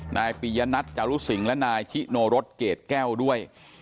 นายปียนัทจารุสิงและนายชิโนรสเกรดแก้วด้วย